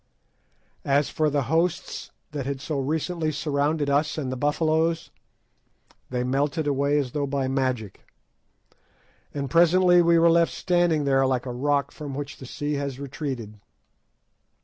As for the hosts that had so recently surrounded us and the Buffaloes, they melted away as though by magic, and presently we were left standing there like a rock from which the sea has retreated.